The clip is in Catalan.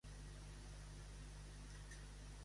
Ovella esquellada és mig afillada.